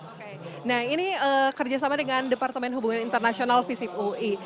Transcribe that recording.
oke nah ini kerjasama dengan departemen hubungan internasional visip ui